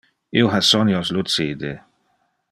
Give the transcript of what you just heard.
Io ha sonios lucide.